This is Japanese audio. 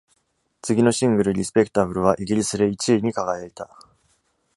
次のシングル「Respectable」はイギリスで一位に輝いた。